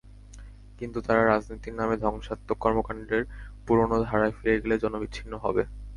কিন্তু তারা রাজনীতির নামে ধ্বংসাত্মক কর্মকাণ্ডের পুরোনো ধারায় ফিরে গেলে জনবিচ্ছিন্ন হবে।